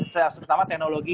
saya pertama teknologi